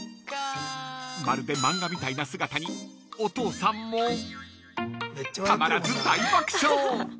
［まるで漫画みたいな姿にお父さんもたまらず］